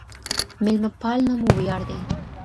ميلمه پالنه مو وياړ دی.